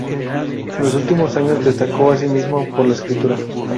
En los últimos años destacó asimismo por la escritura.